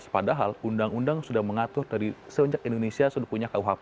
padahal undang undang sudah mengatur tadi semenjak indonesia sudah punya kuhp